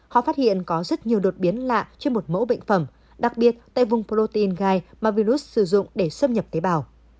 họ phát hiện có rất nhiều đột biến lạ trên một mẫu bệnh phẩm đặc biệt tại vùng protein gai mà virus sử dụng để xâm nhập tế bào